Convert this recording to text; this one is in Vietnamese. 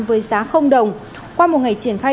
với giá đồng qua một ngày triển khai